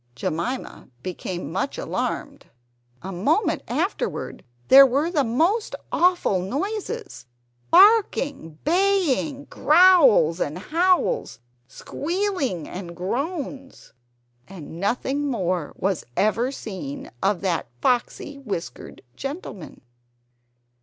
Jemima became much alarmed. A moment afterward there were most awful noises barking, baying, growls and howls, squealing and groans. And nothing more was ever seen of that foxy whiskered gentleman.